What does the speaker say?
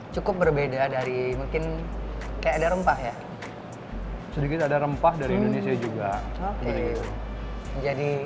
cukup berbeda dari mungkin kayak ada rempah ya sedikit ada rempah dari indonesia juga jadi